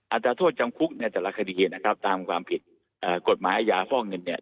อัตราโทษจำคุกในแต่ละคดีนะครับตามความผิดกฎหมายอาญาฟอกเงินเนี่ย